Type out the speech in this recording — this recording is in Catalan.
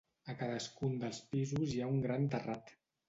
A cadascun dels pisos hi ha un gran terrat.